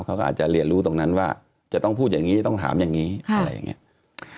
เขาก็อาจจะเรียนรู้ตรงนั้นว่าจะต้องพูดอย่างนี้ต้องถามอย่างนี้อะไรอย่างนี้